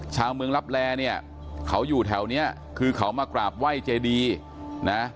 ชาวเมืองลับแลเนี่ยเขาอยู่แถวนี้คือเขามากราบไหว้เจดีนะ